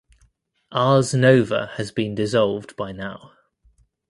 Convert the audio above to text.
Ars Nova has been dissolved by now.